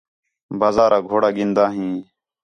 بازارا گھوڑا گِندا ہیں